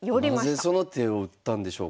なぜその手を打ったんでしょうか。